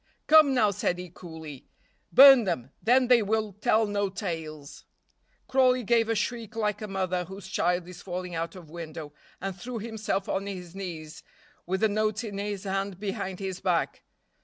"Come, now," said he coolly, "burn them; then they will tell no tales." Crawley gave a shriek like a mother whose child is falling out of window, and threw himself on his knees, with the notes in his hand behind his back.